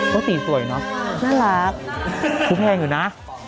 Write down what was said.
ตัวตีสวยเนาะน่ารักชุดแพงอยู่นะ